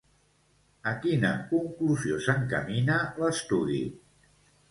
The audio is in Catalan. A quina conclusió s'encamina l'estudi?